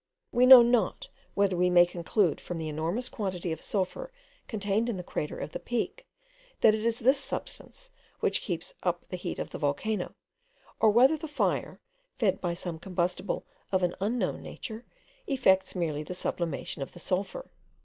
We know not whether we may conclude, from the enormous quantity of sulphur contained in the crater of the Peak, that it is this substance which keeps up the heat of the volcano; or whether the fire, fed by some combustible of an unknown nature, effects merely the sublimation of the sulphur.